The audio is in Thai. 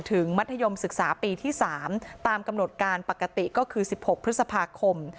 มัธยมศึกษาปีที่๓ตามกำหนดการปกติก็คือ๑๖พฤษภาคม